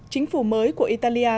chính phủ mới của italia